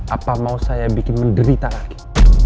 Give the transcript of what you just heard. apa mau saya bikin menderita lagi